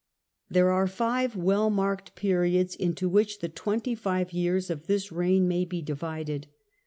There are five well marked periods into which the twenty five years of this reign may be divided.